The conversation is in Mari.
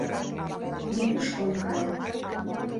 — Нигушко ом кае!